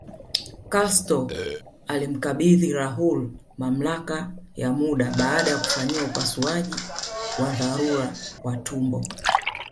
Castro alimkabidhi Raul mamlaka ya muda baada ya kufanyiwa upasuaji wa dharura wa utumbo